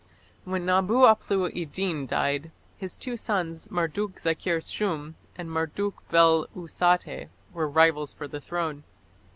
When Nabu aplu iddin died, his two sons Marduk zakir shum and Marduk bel usate were rivals for the throne.